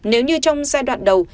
nếu như trong giai đoạn đầu